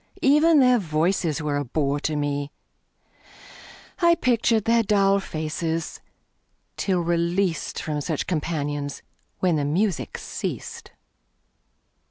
Even their voices were a bore to me; I pictured their dull faces, till released From such companions, when the music ceased.